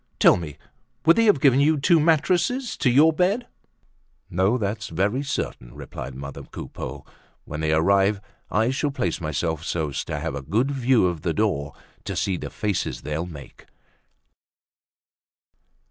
Tell me, would they have given you two mattresses to your bed?" "No, that's very certain," replied mother Coupeau. "When they arrive I shall place myself so as to have a good view of the door to see the faces they'll make."